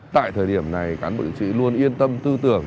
tại thời điểm này cán bộ chiến sĩ luôn yên tâm tư tưởng